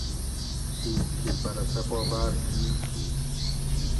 کھیل تھی پرہ سہ پا باۤر چیل تھی